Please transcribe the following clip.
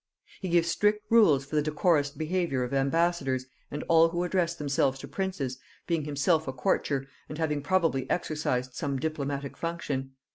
He gives strict rules for the decorous behaviour of ambassadors and all who address themselves to princes, being himself a courtier, and having probably exercised some diplomatic function.